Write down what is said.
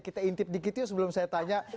kita intip dikit yuk sebelum saya tanya